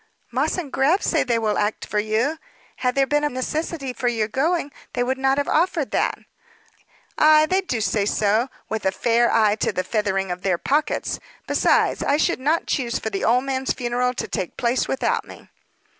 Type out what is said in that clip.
"Moss & Grab say they will act for you. Had there been a necessity for your going, they would not have offered that." "Ay, they do say so with a nice eye to the feathering of their pockets! Besides, I should not choose for the old man's funeral to take place without me."